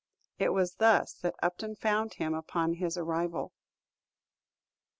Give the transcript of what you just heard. It was thus that Upton found him on his arrival.